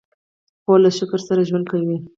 خور له شکر سره ژوند کوي.